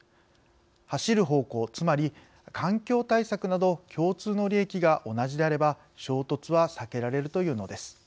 走る方向、つまり環境対策など共通の利益が同じであれば衝突は避けられると言うのです。